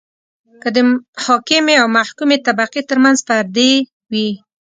که د حاکمې او محکومې طبقې ترمنځ پردې وي.